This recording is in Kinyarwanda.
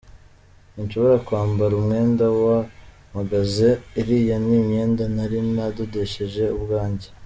Sinshobora kwambara umwenda wa magasin, iriya ni imyenda nari nadodesheje ubwanjye.